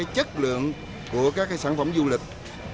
chất lượng của các sản phẩm du lịch